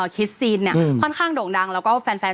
ที่อยู่ที่นี่